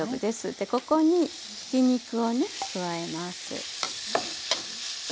でここにひき肉をね加えます。